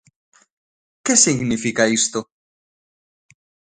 ¿Que significa isto?